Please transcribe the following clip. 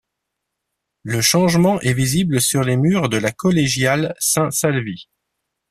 Le changement est visible sur les murs de la collégiale Saint-Salvi.